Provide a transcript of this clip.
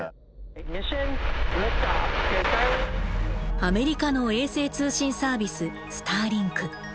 アメリカの衛星通信サービススターリンク。